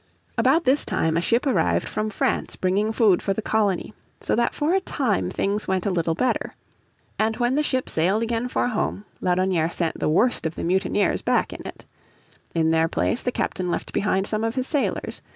About this time a ship arrived from France bringing food for the colony, so that for a time things went a little better. And when the ship sailed again for home Laudonnière sent the worst of the mutineers back in it. In their place the captain left behind some of his sailors.